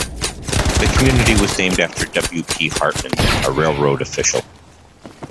The community was named after W. P. Hartman, a railroad official.